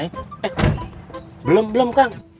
eh belum belum kang